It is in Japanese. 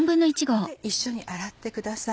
一緒に洗ってください。